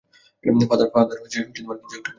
Father, কিছু একটা করুন!